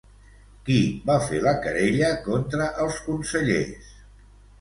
Qui va fer la querella contra els consellers?